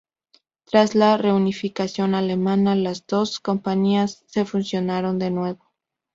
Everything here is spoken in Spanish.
Tras la Reunificación alemana, las dos compañías se fusionaron de nuevo.